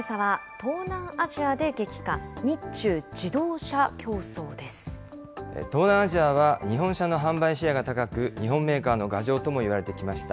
東南アジアは日本車の販売シェアが高く、日本メーカーの牙城ともいわれてきました。